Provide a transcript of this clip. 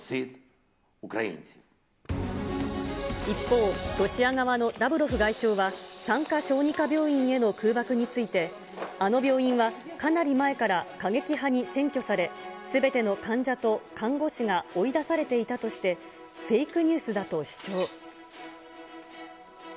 一方、ロシア側のラブロフ外相は、産科・小児科病院への空爆について、あの病院はかなり前から過激派に占拠され、すべての患者と看護師が追い出されていたとして、フェイクニュースだと主張。